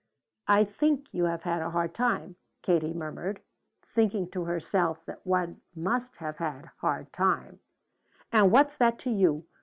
"I think you have had a hard time," Katie murmured, thinking to herself that one must have had hard time "And what's that to you?